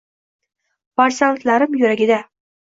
Farzandlarim yuragida